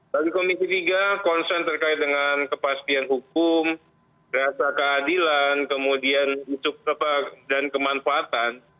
bagi komisi tiga konsen terkait dengan kepastian hukum rasa keadilan kemudian isu dan kemanfaatan